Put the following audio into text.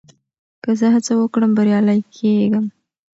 که زه هڅه وکړم، بريالی کېږم.